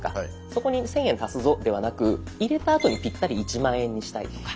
そこに１，０００円足すぞではなく入れたあとにピッタリ１０，０００円にしたいとか。